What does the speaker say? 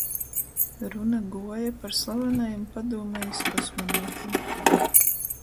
Runa guoja par slavanajim padūmejis kosmonautim.